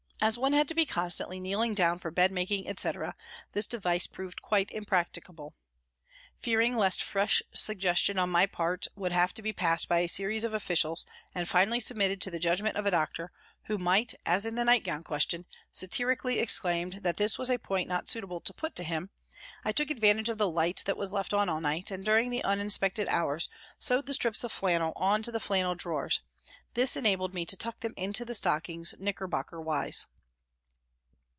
As one had to be constantly kneeling down for bed making, etc., this device proved quite impracticable. Fearing lest fresh suggestion on my part would have to be passed by a series of officials and finally submitted to the judgment of a doctor who might, as hi the nightgown question, satiri cally exclaim that this was a point not suitable to put to him, I took advantage of the light that was left on all night, and during the uninspected hours sewed the strips of flannel on to the flannel drawers ; this enabled me to tuck them into the stockings knickerbocker wise.